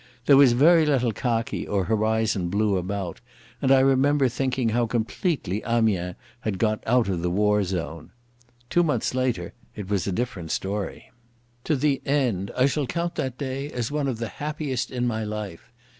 There was very little khaki or horizon blue about, and I remember thinking how completely Amiens had got out of the war zone. Two months later it was a different story. To the end I shall count that day as one of the happiest in my life.